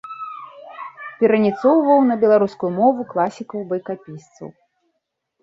Пераніцоўваў на беларускую мову класікаў-байкапісцаў.